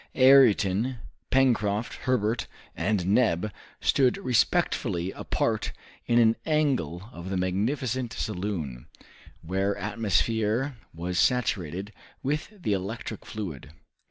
Ayrton, Pencroft, Herbert, and Neb stood respectfully apart in an angle of the magnificent saloon, whose atmosphere was saturated with the electric fluid.